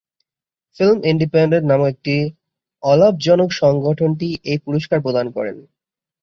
Film Independent নামক একটি অলাভজনক সংগঠনটি এই পুরস্কার প্রদান করে।